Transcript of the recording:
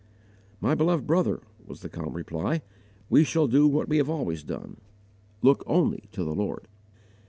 "My beloved brother," was the calm reply, "we shall do what we have always done, _look only to the Lord."